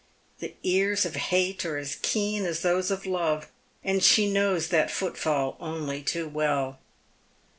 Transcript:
The ears of hate are as keen as those of love, and she knows that footfall only too well.